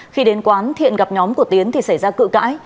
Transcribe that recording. khi đến quán thiện gặp nhóm của tiến thì xảy ra cự cãi